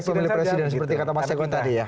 pemilih presiden seperti kata mas eko tadi ya